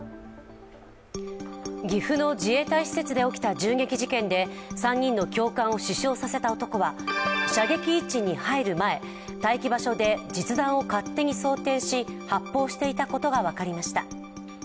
岐阜の自衛隊施設で起きた銃撃事件で、３人の教官を死傷させた男は射撃位置に入る前待機場所で実弾を勝手に装填し、発砲していたことが分かりました。